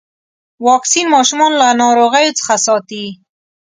واکسین ماشومان له ناروغيو څخه ساتي.